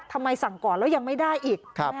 ทำไมสั่งก่อนแล้วยังไม่ได้อีก